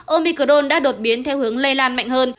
omicron đã đột biến theo hướng lây lan mạnh hơn